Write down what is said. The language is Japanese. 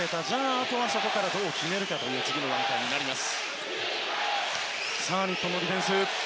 あとはそこからどう決めるかという次の段階になります。